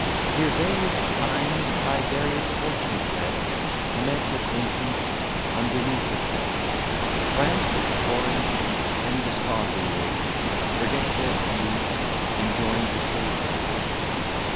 Here various kinds, by various fortunes led, Commence acquaintance underneath a shed. Triumphant Tories, and desponding Whigs, Forget their feuds, and join to save their wigs.